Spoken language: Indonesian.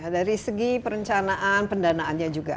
dari segi perencanaan pendanaannya juga